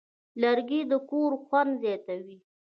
لرګی د کور خوند زیاتوي.